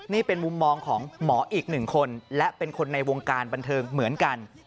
นี่เป็นมุมมองของหมออีกหนึ่งคนและเป็นคนในวงการบันเทิงเหมือนกัน